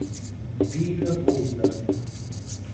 Bill Wood